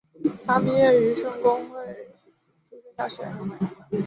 他毕业于圣公会诸圣小学。